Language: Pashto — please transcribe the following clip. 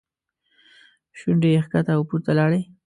شونډې یې ښکته او پورته لاړې.